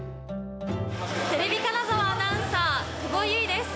テレビ金沢アナウンサー、久保結です。